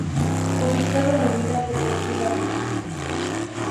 Ubicado en la Unidad Deportiva Lic.